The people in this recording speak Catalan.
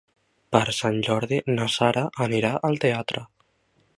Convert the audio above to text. Per Sant Jordi na Sara anirà al teatre.